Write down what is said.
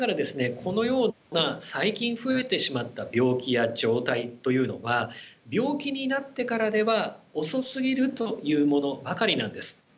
このような最近増えてしまった病気や状態というのは病気になってからでは遅すぎるというものばかりなんです。